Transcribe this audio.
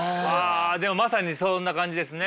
でもまさにそんな感じですね。